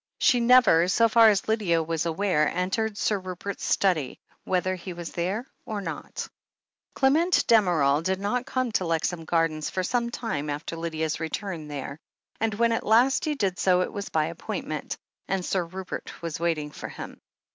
She never, so far as Lydia was aware, entered Sir Rupert's study, whether he were there or not. Clement Damerel did not come to Lexham Gardens for some time after Lydia's return there, and when at last he did so, it was by appointment, and Sir Rupert was waiting for him.